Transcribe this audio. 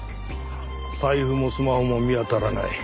財布もスマホも見当たらない。